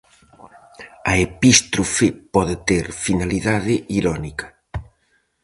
A epístrofe pode ter finalidade irónica.